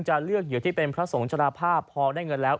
จะเลือกเหยื่อที่เป็นพระสงฆ์ชราภาพพอได้เงินแล้ว